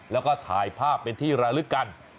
แล้วก็ถ่ายภาพเป็นที่ระลึกกัน